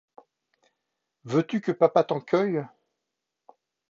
Veux-tu que papa t’en cueille ?